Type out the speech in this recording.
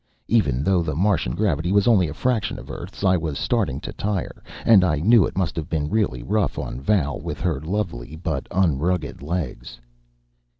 Even though the Martian gravity was only a fraction of Earth's, I was starting to tire, and I knew it must have been really rough on Val with her lovely but unrugged legs.